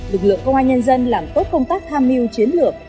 lực lượng công an nhân dân làm tốt công tác tham mưu chiến lược